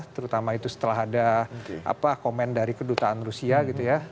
terutama itu setelah ada komen dari kedutaan rusia gitu ya